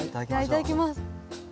いただきます。